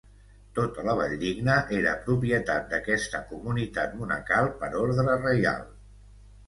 Tota la Valldigna era propietat d'aquesta comunitat monacal per ordre reial.